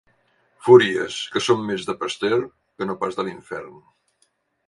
Fúries que són més de Pasteur que no pas de l'infern.